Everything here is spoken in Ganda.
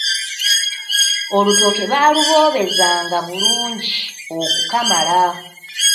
Olutooke baaluboobezanga bulungi okukamala.